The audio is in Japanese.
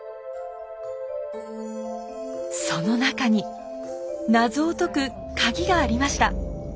その中に謎を解くカギがありました。